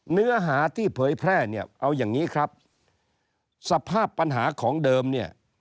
เนื้อหาที่เผยแพร่เนี่ยเอาอย่างนี้ครับสภาพปัญหาของเดิมเนี่ย